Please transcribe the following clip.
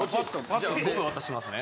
じゃあゴム渡しますね。